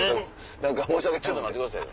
何か申し訳ない。